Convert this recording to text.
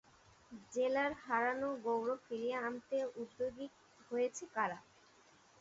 জেলার হারানো গৌরব ফিরিয়ে আনতে উদ্যোগী হয়েছে কারা?